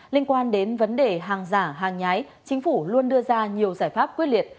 liên quan đến vấn đề hàng giả hàng nhái chính phủ luôn đưa ra nhiều giải pháp quyết liệt